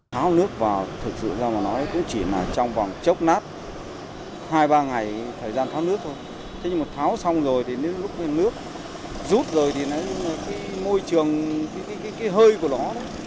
tháo nước vào thực sự ra mà nói cũng chỉ là trong vòng chốc nát hai ba ngày thời gian tháo nước thôi thế nhưng mà tháo xong rồi thì nếu lúc nước rút rồi thì môi trường cái hơi của nó